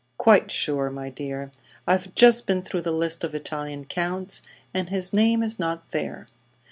"Quite sure, my dear. I've just been through the list of Italian counts, and his name is not there.